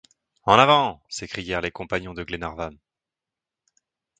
En avant! s’écrièrent les compagnons de Glenarvan.